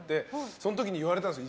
その時に言われたんですよ。